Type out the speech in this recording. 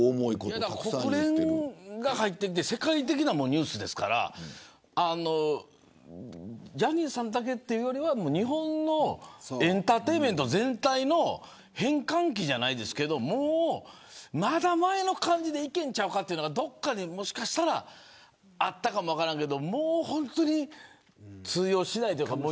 国連が入って世界的なニュースですからジャニーズさんだけというよりは日本のエンターテインメント全体の変換期じゃないですけどまだ前の感じでいけるんと違うかというのがもしかしたらあったかもしれないけど本当に通用しないというか。